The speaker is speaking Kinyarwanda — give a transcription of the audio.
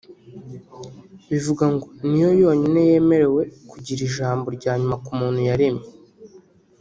Bivuga ngo niyo yonyine yemerewe kugira ijambo ryanyuma ku muntu yaremye